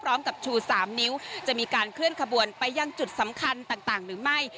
ชู๓นิ้วจะมีการเคลื่อนขบวนไปยังจุดสำคัญต่างหรือไม่